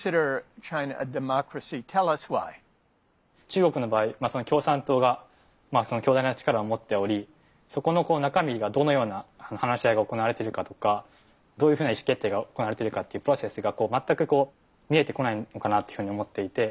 中国の場合共産党が強大な力を持っておりそこの中身がどのような話し合いが行われてるかとかどういうふうな意思決定が行われてるかっていうプロセスが全くこう見えてこないのかなっていうふうに思っていて。